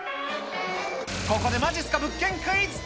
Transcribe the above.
ここで、まじっすか物件クイズ。